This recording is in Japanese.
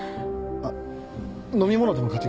あっ飲み物でも買ってきます。